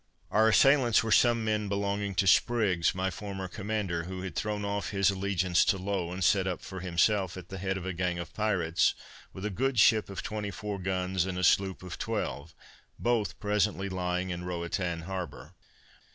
Our assailants were some men belonging to Spriggs, my former commander, who had thrown off his allegiance to Low, and set up for himself at the head of a gang of pirates, with a good ship of twenty four guns, and a sloop of twelve, both presently lying in Roatan harbor.